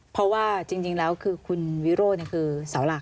เพราะว่าจริงแล้วคือคุณวิโรธคือเสาหลัก